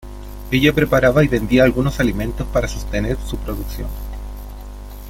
Ella preparaba y vendía algunos alimentos para sostener su producción.